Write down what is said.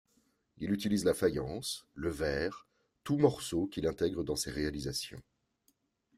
Il utilise la faïence, le verre, tous morceaux qu'il intègre dans ses réalisations.